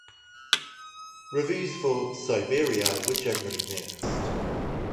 Reviews for "Cyberia" were generally mixed.